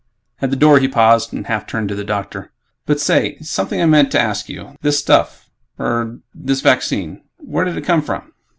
At the door he paused and half turned to the doctor, "But say ... something I meant to ask you. This 'stuff' ... er, this vaccine ... where did it come from?